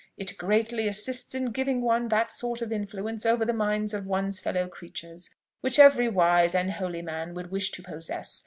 It greatly assists in giving one that sort of influence over the minds of ones fellow creatures which every wise and holy man would wish to possess.